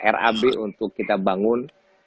rab untuk kita bangun